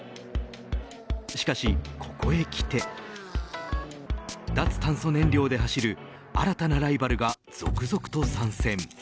しかし、ここへきて脱炭素燃料で走る新たなライバルが続々と参戦。